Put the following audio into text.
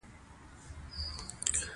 ځينې خلک ځانته هم دروغ وايي